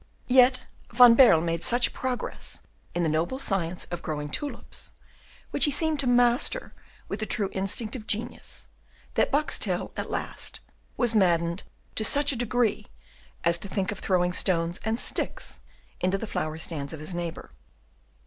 Yet Van Baerle made such progress in the noble science of growing tulips, which he seemed to master with the true instinct of genius, that Boxtel at last was maddened to such a degree as to think of throwing stones and sticks into the flower stands of his neighbour.